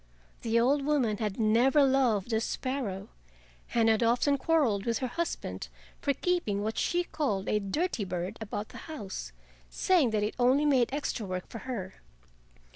The old woman had never loved the sparrow, and had often quarreled with her husband for keeping what she called a dirty bird about the house, saying that it only made extra work for her.